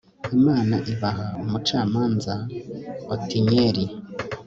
imana ibaha umucamanza: otinyeli